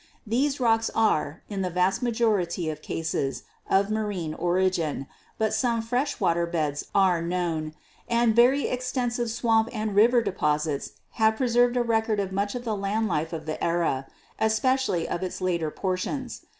These rocks are, in the vast majority of cases, of marine origin, but some fresh water beds are known, and very extensive swamp and river deposits have preserved a record of much of the land life of the era, especially of its later portions.